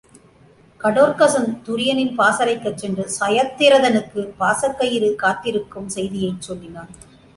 கடோற்சகன் துரியனின் பாசறைக்குச் சென்று சயத்திரனுக்குப் பாசக்கயிறு காத்திருக்கும் செய்தியைச் சொல்லினான்.